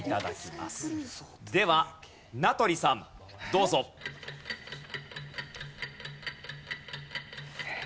では名取さんどうぞ。えっ？